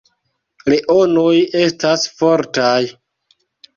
Leonoj estas fortaj.